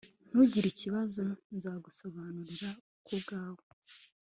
Ntugire ikibazo nzagusobanurira kubwawe